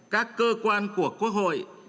các cơ quan của quốc hội